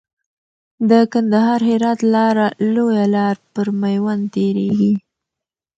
د کندهار هرات لاره لويه لار پر ميوند تيريږي .